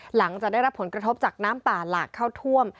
หลังจากได้รับผลกระทบจากน้ำป่าหลากเข้าท่วม